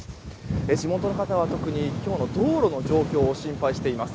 地元の方は特に今日の道路の状況を心配しています。